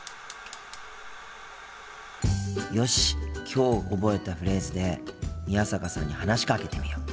きょう覚えたフレーズで宮坂さんに話しかけてみよう。